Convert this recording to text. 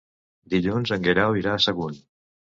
Dilluns en Guerau irà a Sagunt.